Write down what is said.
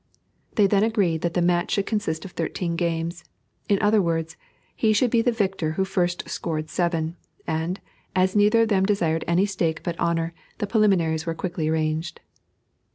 They then agreed that the match should consist of thirteen games; in other words, he should be victor who first scored seven; and, as neither of them desired any stake but honor, the preliminaries were quickly arranged.